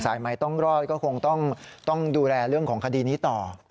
ใหม่ต้องรอดก็คงต้องดูแลเรื่องของคดีนี้ต่อ